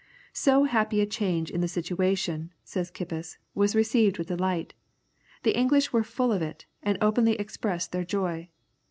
"So happy a change in the situation," says Kippis, "was received with delight. The English were full of it, and openly expressed their joy.